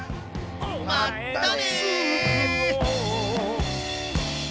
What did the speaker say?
まったね。